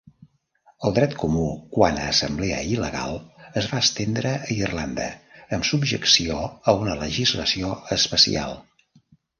El dret comú quant a l'assemblea il·legal es va estendre a Irlanda, amb subjecció a una legislació especial.